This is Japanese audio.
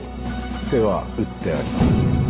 手は打ってあります。